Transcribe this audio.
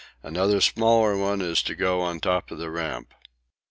Another smaller one is to go on top of the Ramp.